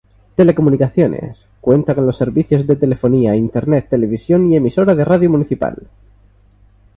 Telecomunicaciones: Cuenta con los servicios de telefonía, internet, televisión y emisora de radio municipal.